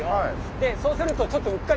でそうするとちょっとやっぱ。